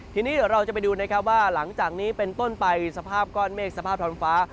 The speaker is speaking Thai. ทีนี้เดี๋ยวเราจะไปดูนะครับว่าหลังจากนี้เป็นต้นไปสภาพก้อนเมฆสภาพท้องฟ้า